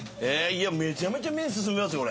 めちゃめちゃ麺進みますよ